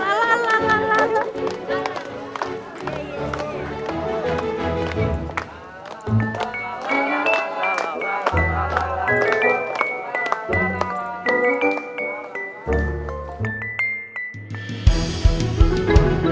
gitu lo mau penyanyixo gak